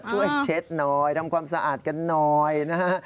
เช็ดหน่อยทำความสะอาดกันหน่อยนะฮะ